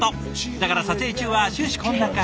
だから撮影中は終始こんな感じ。